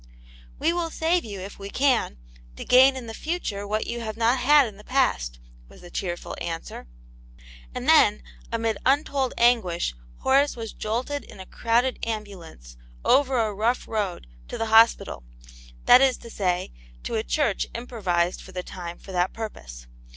"We will save you, if we can, to gain in the future what you have not had in the past," was the cheerful answer. And then, amid untold Aimt yane's Hero. 41 anguish, Horace was jolted in a crowded ambulance^ over a rough road, to the hospital ; that is to say, to a church improvised for the time for that purpose.